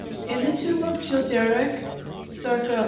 In the tomb of Childeric (ca.